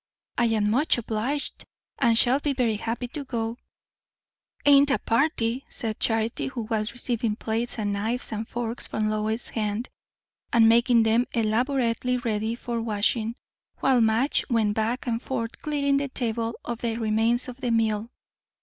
"I am much obliged, and shall be very happy to go." "'Tain't a party," said Charity, who was receiving plates and knives and forks from Lois's hand, and making them elaborately ready for washing; while Madge went back and forth clearing the table of the remains of the meal.